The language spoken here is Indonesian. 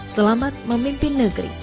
selamat memimpin negeri